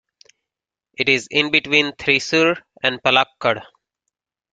It is in between Thrissur and Palakkad.